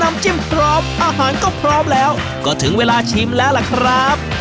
จิ้มพร้อมอาหารก็พร้อมแล้วก็ถึงเวลาชิมแล้วล่ะครับ